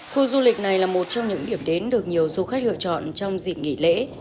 khu du lịch này là một trong những điểm đến được nhiều du khách lựa chọn trong dịp nghỉ lễ